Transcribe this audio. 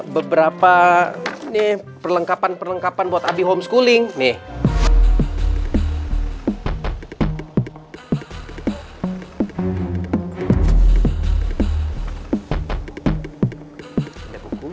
beberapa nih perlengkapan perlengkapan buat abi homeschooling nih ada buku buku